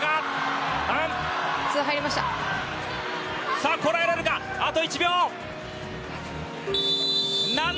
さあ、こらえられるか、あと１秒。